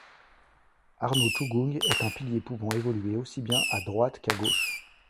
Arnaud Tchougong est un pilier pouvant évoluer aussi bien à droite qu'à gauche.